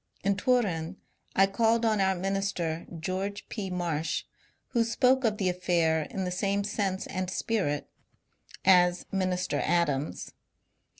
In Turin I called on our minister, George P. Marsh, who spoke of the affair in the same sense and spirit as Minister Adams.